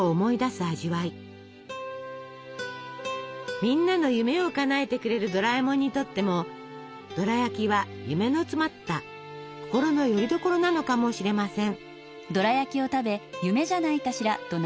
みんなの夢をかなえてくれるドラえもんにとってもドラやきは夢の詰まった心のよりどころなのかもしれません。